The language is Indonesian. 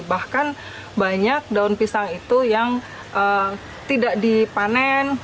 bahkan banyak daun pisang itu yang tidak dipanen